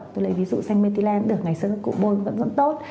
tôi lấy ví dụ xanh mê tí len cũng được ngày xưa cụ bôi vẫn vẫn tốt